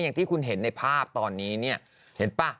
อย่างที่คุณเห็นในภาพตอนนี้เนี่ยเห็นป่ะ